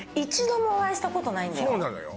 そうなのよ